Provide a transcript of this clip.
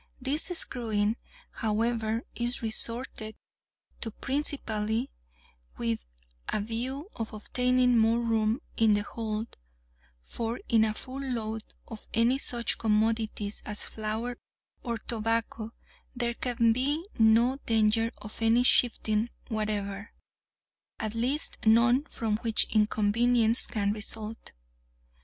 This screwing, however, is resorted to principally with a view of obtaining more room in the hold; for in a full load of any such commodities as flour or tobacco, there can be no danger of any shifting whatever, at least none from which inconvenience can result.